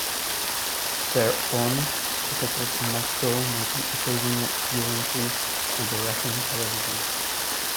Thereupon she settled in Moscow, making occasional appearances on the Russian television.